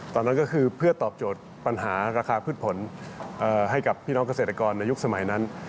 ตอนนั้นก็คือเพื่อตอบโจทย์ปัญหาราคาพืชผลให้กับพี่น้องเกษตรกรในยุคสมัยนั้น